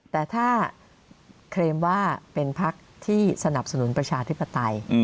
แต่ถ้าเคลมว่าเป็นพักที่สนับสนุนประชาธิปไตย